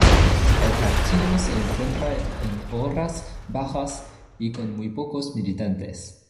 El partido se encuentra en horas bajas y con muy pocos militantes.